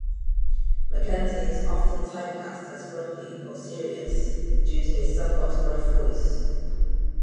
McKenzie is often typecast as grumpy or serious due to his somewhat 'gruff' voice.